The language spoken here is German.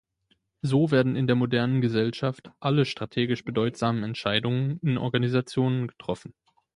So werden in der modernen Gesellschaft alle strategisch bedeutsamen Entscheidungen in Organisationen getroffen.